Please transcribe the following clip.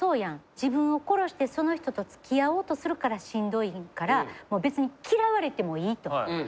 自分を殺してその人とつきあおうとするからしんどいんから常にこう思ってますよ